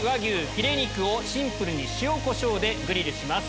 シンプルに塩コショウでグリルします。